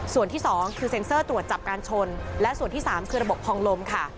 ส่วนที่๒คือเซ็นเซอร์ตรวจจับการชนและส่วนที่๓คือระบบพองลมค่ะ